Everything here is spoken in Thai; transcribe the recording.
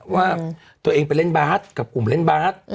ว่าตัวเองไปเล่นบาสกับกลุ่มเล่นบาส